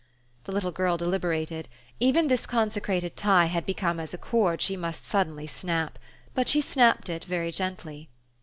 The little girl deliberated; even this consecrated tie had become as a cord she must suddenly snap. But she snapped it very gently.